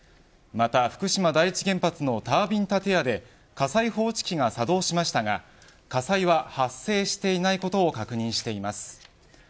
また福島第一原発のタービン建屋で火災報知器が作動しましたが火災が発生していないことを確認しています。